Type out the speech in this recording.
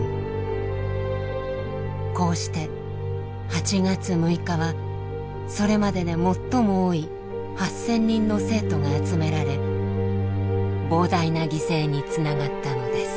こうして８月６日はそれまでで最も多い８，０００人の生徒が集められ膨大な犠牲につながったのです。